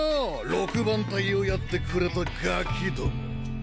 六番隊をやってくれたガキども。